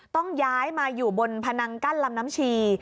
ต้องย้ายมาอยู่บนพนังกั้นลำน้ำชี